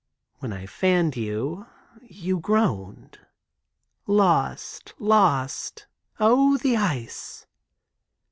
'" When I fanned you, you groaned, "Lost, lost, oh, the ice."